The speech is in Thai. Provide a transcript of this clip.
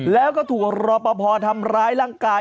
แล้วก็ถูกรอปภทำร้ายร่างกาย